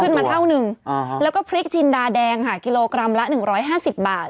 มาเท่านึงแล้วก็พริกจินดาแดงค่ะกิโลกรัมละ๑๕๐บาท